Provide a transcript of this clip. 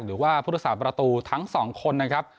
หรือว่าพุทธศาสตประตูทั้งสองคนนะครับ